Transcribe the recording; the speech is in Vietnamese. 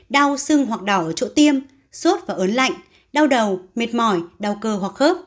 đau sưng hoặc đỏ ở chỗ tiêm sốt và ớn lạnh đau đầu mệt mỏi đau cơ hoặc khớp